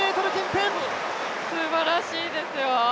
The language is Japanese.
すばらしいですよ。